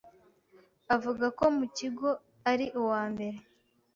avuga ko mu kigo ari uwambere